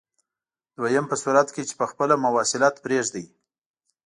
دویم په صورت کې چې په خپله مواصلت پرېږدئ.